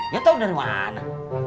ya tau dari mana